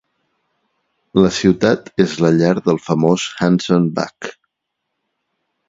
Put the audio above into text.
La ciutat és la llar del famós Hanson Buck.